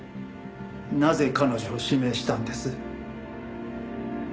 なぜ彼女を指名したんです？